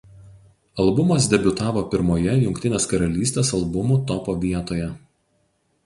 Albumas debiutavo pirmoje Jungtinės Karalystės albumų topo vietoje.